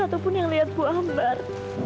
ataupun yang lihat bu ambar